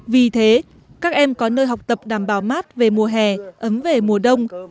vì thế các em có nơi học tập đảm bảo mát về mùa hè ấm về mùa đông